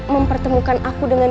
mempertemukan aku dengan